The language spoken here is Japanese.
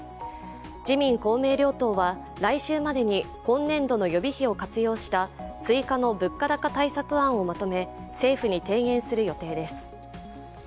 自民・公明両党は来週までに今年度の予備費を活用した追加の物価高対策案をまとめ、政府に提言する予定です。